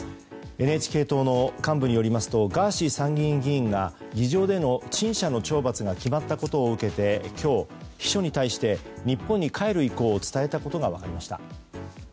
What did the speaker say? ＮＨＫ党の幹部によりますとガーシー参議院議員が議場での陳謝の懲罰が決まったことを受けて今日、秘書に対して日本に帰る意向を伝えたことが分かりました。